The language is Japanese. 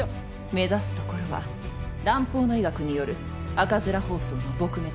目指すところは蘭方の医学による赤面疱瘡の撲滅です。